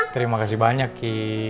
terima kasih banyak ki